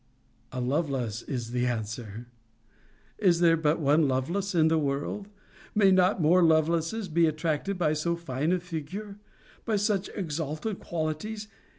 A Lovelace, is the answer. 'Is there but one Lovelace in the world? May not more Lovelaces be attracted by so fine a figure? By such exalted qualities?